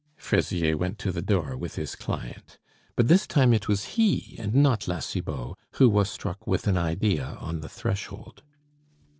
Fraisier went to the door with his client. But this time it was he, and not La Cibot, who was struck with an idea on the threshold.